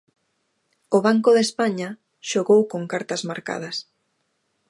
O Banco de España xogou con cartas marcadas.